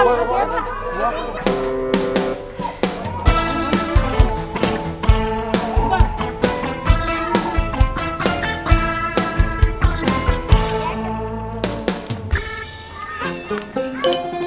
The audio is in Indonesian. makasih ya pak